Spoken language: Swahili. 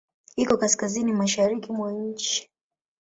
Iko kaskazini-mashariki mwa nchi.